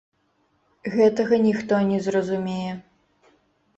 Гэтага ніхто не зразумее.